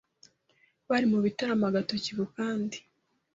bari mu bitaramo agatoki ku kandi